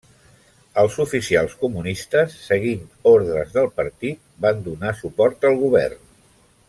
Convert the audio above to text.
Els oficials comunistes seguint ordes del partit van donar suport al govern.